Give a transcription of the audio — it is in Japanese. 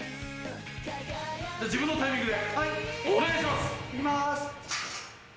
自分のタイミングでお願いします。